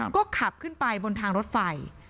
ก็ขับขึ้นไปบนทางรถไฟ